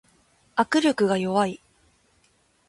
握力が弱い